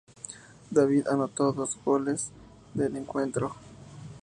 David anotó dos de los goles del encuentro.